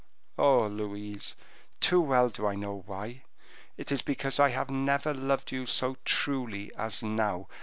Oh! Louise, too well do I know why; it is because I have never loved you so truly as now.